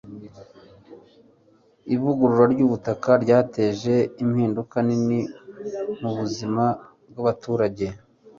ivugurura ryubutaka ryateje impinduka nini mubuzima bwabaturage